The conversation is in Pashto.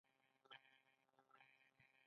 لویه خدایه ولې موټی